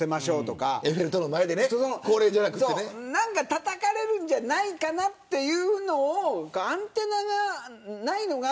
たたかれるんじゃないかなというのにアンテナがないのが。